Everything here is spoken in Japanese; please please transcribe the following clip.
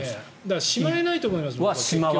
しまえないと思います。